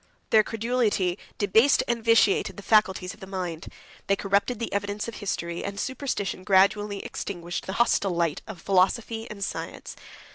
Their credulity debased and vitiated the faculties of the mind: they corrupted the evidence of history; and superstition gradually extinguished the hostile light of philosophy and science.